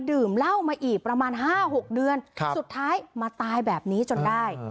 ดื่มเหล้ามาอีกประมาณ๕๖เดือนสุดท้ายมาตายแบบนี้จนได้